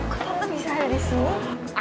kok tante bisa ada di sini